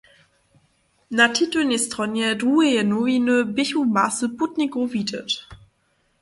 Na titulnej stronje druheje nowiny běchu masy putnikow widźeć.